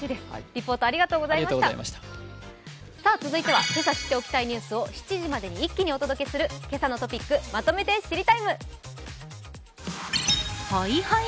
リポート、ありがとうございました続いてはけさ知っておきたいニュースを７時までに一気にお届けする「けさのトピックまとめて知りＴＩＭＥ，」。